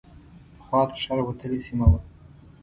پخوا تر ښار وتلې سیمه وه.